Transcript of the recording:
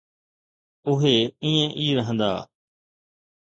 اهي ائين ئي رهندا.